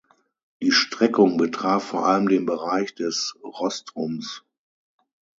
Die Streckung betraf vor allem den Bereich des Rostrums.